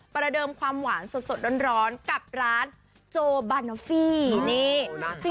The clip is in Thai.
ประเดิมความหวานสดร้อนกับร้านโจบานาฟี่นี่